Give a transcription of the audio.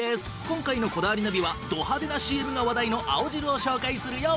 今回の『こだわりナビ』はド派手なＣＭが話題の青汁を紹介するよ！